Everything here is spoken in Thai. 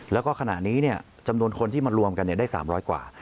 แล้วก็ขณะนี้จำนวนคนที่มารวมกันได้๓๐๐กว่า